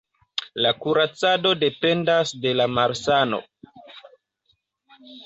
La kuracado dependas de la malsano.